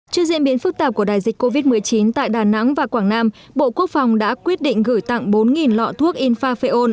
trước diễn biến phức tạp của đại dịch covid một mươi chín tại đà nẵng và quảng nam bộ quốc phòng đã quyết định gửi tặng bốn lọ thuốc infafeol